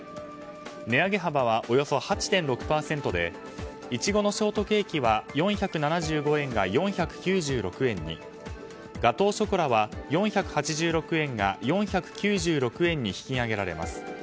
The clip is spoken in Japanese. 値上げ幅はおよそ８．６％で苺のショートケーキは４７５円が４９６円にガトーショコラは４８６円が４９６円に引き上げられます。